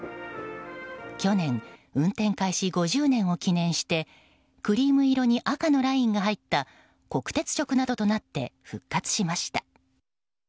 去年、運転開始５０年を記念してクリーム色に赤のラインが入った国鉄色などとなって復活しました。